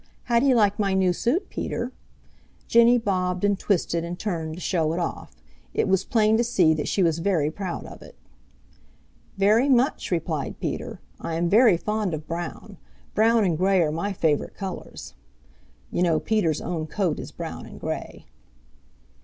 How do you like my new suit, Peter?" Jenny bobbed and twisted and turned to show it off. It was plain to see that she was very proud of it. "Very much," replied Peter. "I am very fond of brown. Brown and gray are my favorite colors." You know Peter's own coat is brown and gray.